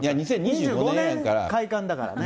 ２０２５年やから、開館だからね。